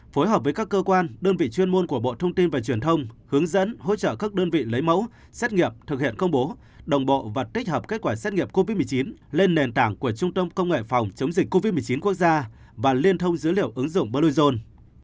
phối hợp với các cơ quan đơn vị chuyên môn của bộ thông tin và truyền thông hướng dẫn hỗ trợ các đơn vị lấy mẫu xét nghiệm thực hiện công bố đồng bộ và tích hợp kết quả xét nghiệm covid một mươi chín lên nền tảng của trung tâm công nghệ phòng chống dịch covid một mươi chín quốc gia và liên thông dữ liệu ứng dụng bluezone